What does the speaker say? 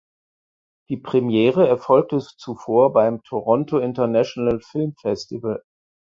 Die Premiere erfolgte zuvor beim Toronto International Film Festival.